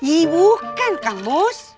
ihh bukan kang mus